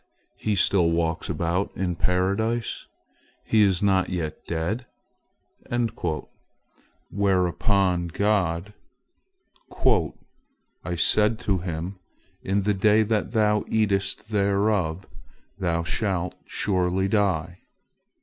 He still walks about in Paradise? He is not yet dead?" Whereupon God: "I said to him, 'In the day that thou eatest thereof, thou shalt surely die!'